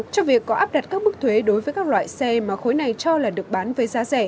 trong việc có áp đặt các mức thuế đối với các loại xe mà khối này cho là được bán với giá rẻ